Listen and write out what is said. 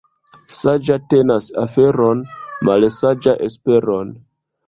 Saĝa tenas aferon, malsaĝa esperon.